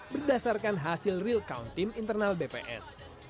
berdasarkan hasil real count tim internal bpn